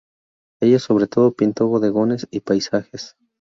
Ella, sobre todo pintó bodegones y paisajes.